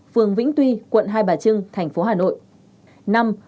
phường vĩnh tuy quận hai bà trưng thành phố hà nội